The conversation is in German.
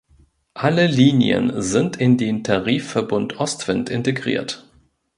Alle Linien sind in den Tarifverbund Ostwind integriert.